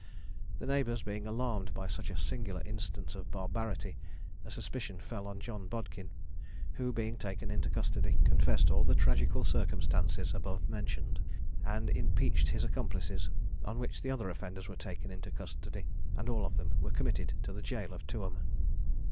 The neighbours being alarmed by such a singular instance of barbarity, a suspicion fell on John Bodkin; who, being taken into custody, confessed all the tragical circumstances above mentioned, and impeached his accomplices: on which the other offenders were taken into custody, and all of them were committed to the jail of Tuam.